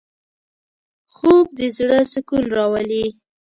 خوب د زړه سکون راولي